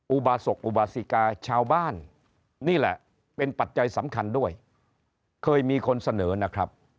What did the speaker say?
อุบาศกอุบาสิกาชาวบ้านนี่แหละเป็นปัจจัยสำคัญด้วยเคยมีคนเสนอนะครับ